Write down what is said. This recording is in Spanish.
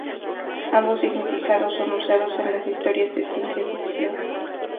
Ambos significados son usados en las historias de ciencia ficción.